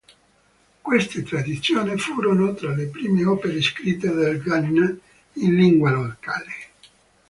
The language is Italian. Queste traduzioni furono tra le prime opere scritte del Ghana in lingua locale.